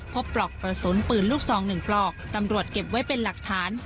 ปลอกกระสุนปืนลูกซอง๑ปลอกตำรวจเก็บไว้เป็นหลักฐาน